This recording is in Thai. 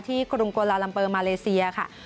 กรุงโกลาลัมเปอร์มาเลเซียค่ะ